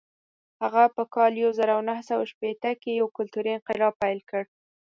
هغه په کال یو زر نهه سوه شپېته کې یو کلتوري انقلاب پیل کړ.